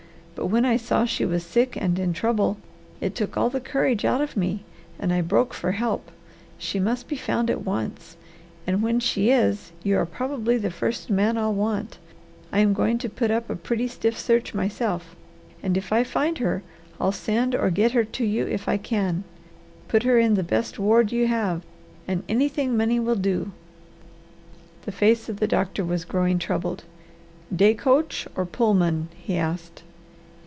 But when I saw she was sick and in trouble, it took all the courage out of me, and I broke for help. She must be found at once, and when she is you are probably the first man I'll want. I am going to put up a pretty stiff search myself, and if I find her I'll send or get her to you if I can. Put her in the best ward you have and anything money will do " The face of the doctor was growing troubled. "Day coach or Pullman?" he asked.